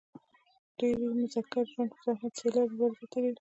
ډېری مذکر ژوند په زحمت سیالي او مبازره تېروي.